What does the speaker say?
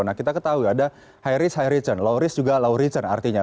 nah kita ketahui ada high risk high return low risk juga low return artinya